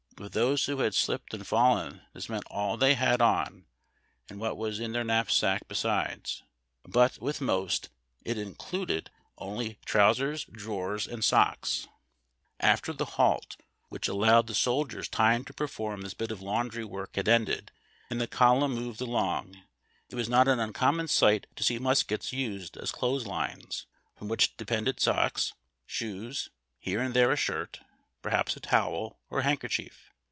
With those who had slijiped and fallen this meant all they had on and what was in their knapsack besides, but with most it included only trousers, drawers, and socks. After the halt w'hicli allowed the soldiers time to perform this bit of laundry work had ended, and the column moved along, it was not an uncommon sight to see muskets used as clothes lines, from which depended socks, shoes, here and there a shirt, perhaps a towel or handkerchief.